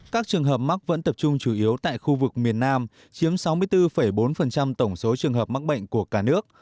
các trường hợp mắc vẫn tập trung chủ yếu tại khu vực miền nam chiếm sáu mươi bốn bốn tổng số trường hợp mắc bệnh của cả nước